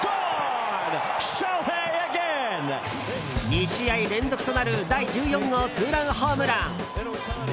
２試合連続となる第１４号ツーランホームラン。